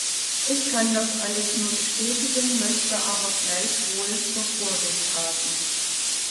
Ich kann das alles nur bestätigen, möchte aber gleichwohl zur Vorsicht raten.